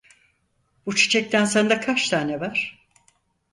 Bu çiçekten sende kaç tane var?